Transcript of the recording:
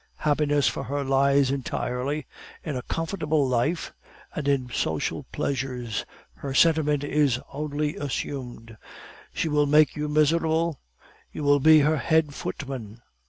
Happiness for her lies entirely in a comfortable life and in social pleasures; her sentiment is only assumed; she will make you miserable; you will be her head footman.